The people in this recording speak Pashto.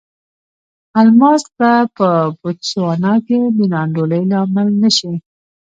الماس به په بوتسوانا کې د نا انډولۍ لامل نه شي.